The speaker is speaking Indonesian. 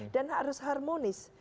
dan harus harmonis